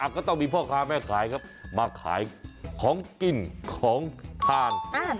ก็ต้องมีพ่อค้าแม่ขายครับมาขายของกินของทาน